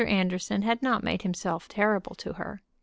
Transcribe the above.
Anderson had not made himself terrible to her.